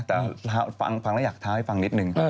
แต่ฟังแล้วอยากท้าให้ฟังนิดนึง